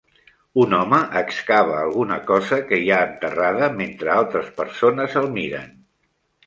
Un home excava alguna cosa que hi ha enterrada mentre altres persones el miren.